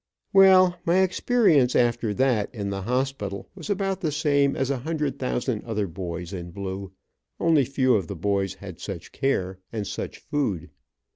Well, my experience after that, in the hospital, was about the same as a hundred thousand other boys in blue, only few of the boys had such care, and such food.